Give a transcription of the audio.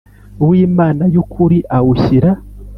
W imana y ukuri awushyira